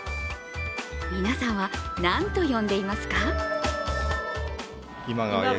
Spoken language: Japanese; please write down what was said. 皆さんは何と呼んでいますか？